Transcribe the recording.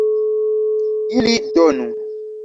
ili donu.